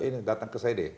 eh ini datang ke saya deh